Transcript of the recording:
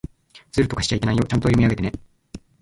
ずるとかしちゃいけないよ。ちゃんと読み上げてね。